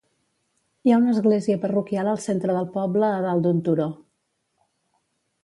Hi ha una església parroquial al centre del poble a dalt d'un turó.